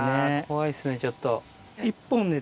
怖いですねちょっと。